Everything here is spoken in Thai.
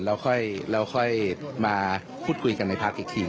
แล้วค่อยมาพูดคุยกันในพักอีกที